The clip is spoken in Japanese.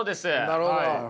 なるほど。